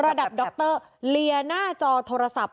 ระดับโดคเตอร์เลียหน้าจอโทรศัพท์